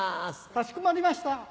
かしこまりました。